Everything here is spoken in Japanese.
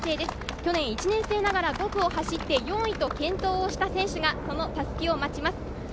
去年、１年生ながら５区を走って、４位と健闘した選手が襷を待ちます。